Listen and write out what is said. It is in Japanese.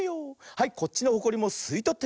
はいこっちのホコリもすいとってみよう。